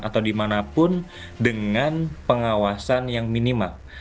atau dimanapun dengan pengawasan yang minimal